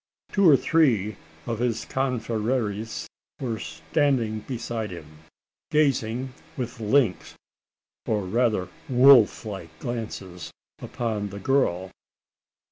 Two or three of his confreres were standing beside him gazing with lynx, or rather wolf like glances upon the girl.